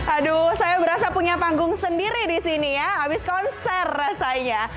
aduh saya berasa punya panggung sendiri di sini ya habis konser rasanya